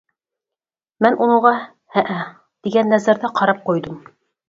مەن ئۇنىڭغا ‹ ‹ھەئە› › دېگەن نەزەردە قاراپ قويدۇم.